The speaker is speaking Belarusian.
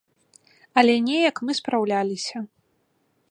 Але неяк мы спраўляліся.